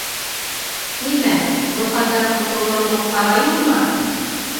Нимә, был хәлдән ҡотолорлоҡ сара юҡмы?